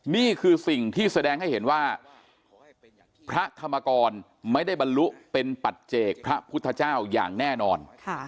นี่คือสิ่งที่แสดงให้เห็นว่าพระธรรมกรไม่ได้บรรลุเป็นปัจเจกพระพุทธเจ้าอย่างแน่นอน